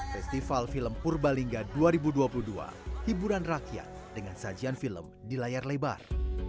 festival film purbalingga dua ribu dua puluh dua hiburan rakyat dengan sajian film di layar lebar